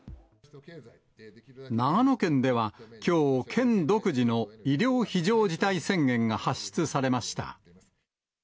長野県では、きょう、県独自の医療非常事態宣言が発出されました。